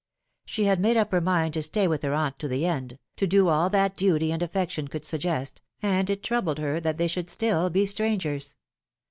She had made up her mind to stay with her aunt to the end, to do all that duty and affection could suggest, and it troubled her that they should still be strangers.